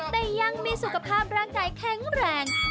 แต่ยังมีสุขภาพร่างกายแข็งแรง